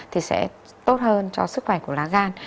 thì sẽ tốt hơn cho sức khỏe của lá gan